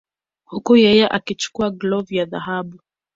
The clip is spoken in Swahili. Huku yeye akichukua glov ya dhahabu